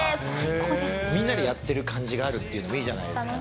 みんなでやってる感じがあるっていいじゃないですか。